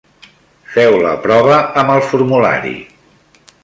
Feu la prova amb el formulari.